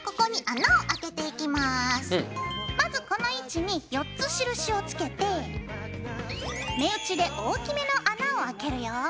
まずこの位置に４つ印をつけて目打ちで大きめの穴をあけるよ。ＯＫ！